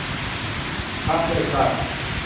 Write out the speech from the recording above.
พรรคเพื่อชาติ